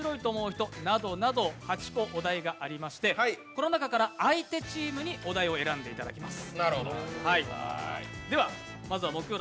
この中から相手チームにお題を選んでいただきます。